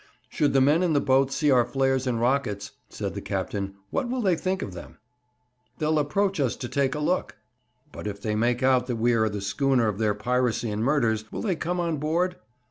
'Should the men in the boat see our flares and rockets,' said the captain, 'what will they think of them?' 'They'll approach us to take a look.' 'But if they make out that we are the schooner of their piracy and murders, will they come on board?'